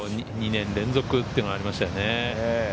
２年連続っていうのがありましたね。